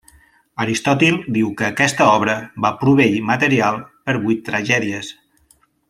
Aristòtil diu que aquesta obra va proveir material per vuit tragèdies.